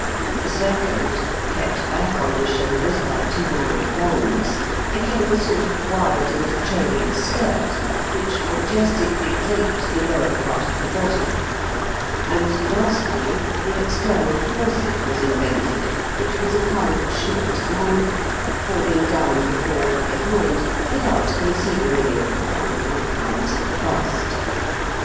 The surcoat, kept back on the shoulders by two narrow bands, became a sort of wide and trailing skirt, which majestically draped the lower part of the body; and, lastly, the external corset was invented, which was a kind of short mantle, falling down before and behind without concealing any of the fine outlines of the bust.